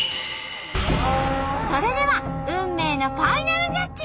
それでは運命のファイナルジャッジ！